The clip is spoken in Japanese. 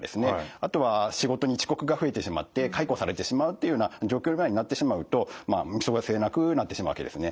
あとは仕事に遅刻が増えてしまって解雇されてしまうっていうような状況になってしまうと見過ごせなくなってしまうわけですね。